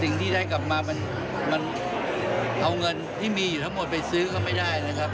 สิ่งที่ได้กลับมามันเอาเงินที่มีอยู่ทั้งหมดไปซื้อก็ไม่ได้นะครับ